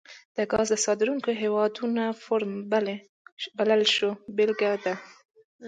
د ګازو صادرونکو هیوادونو فورم بله ښه بیلګه ده